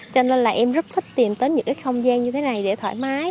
cho nên là em rất thích tìm tới những cái không gian như thế này để thoải mái